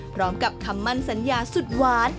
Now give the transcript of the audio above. พร้อมกับคำมั่นสัญญาสุดหวาน